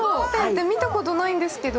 見たことないんですけど。